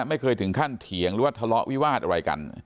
ไม่เคยถึงขั้นเถียงหรือว่าทะเลาะวิวาสอะไรกัน